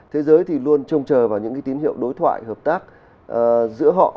thế giới thì luôn trông chờ vào những tín hiệu đối thoại hợp tác giữa họ